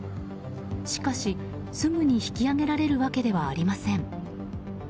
しかし、すぐに引き上げられるわけではありません。